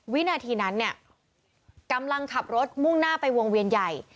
วินาทีนั้นเนี่ยกำลังขับรถมุ่งหน้าไปวงเวียนใหญ่